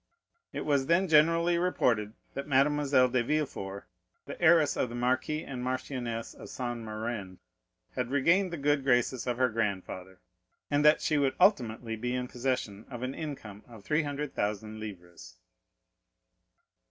It was then generally reported that Mademoiselle de Villefort, the heiress of the marquis and marchioness of Saint Méran, had regained the good graces of her grandfather, and that she would ultimately be in possession of an income of 300,000 livres.